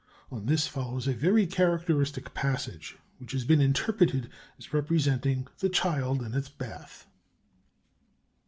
On this follows a very characteristic passage, which has been interpreted as representing the child in its bath.